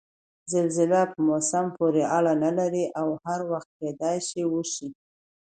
زلزله په موسم پورې اړنه نلري او هر وخت کېدای شي وشي؟